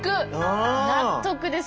納得です